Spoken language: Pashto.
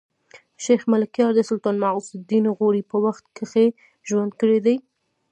شېخ ملکیار د سلطان معز الدین غوري په وخت کښي ژوند کړی دﺉ.